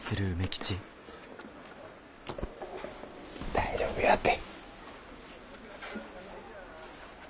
大丈夫やて。